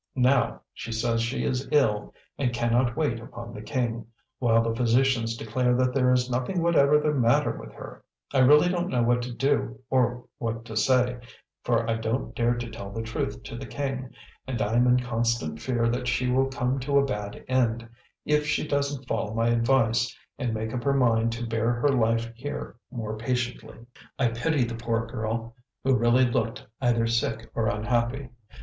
Now, she says she is ill, and cannot wait upon the king, while the physicians declare that there is nothing whatever the matter with her. I really don't know what to do or what to say, for I don't dare to tell the truth to the king, and I'm in constant fear that she will come to a bad end, if she doesn't follow my advice and make up her mind to bear her life here more patiently." I pitied the poor girl, who really looked either sick or unhappy.